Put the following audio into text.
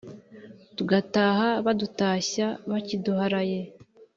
Tugataha badutashya bakiduharaye.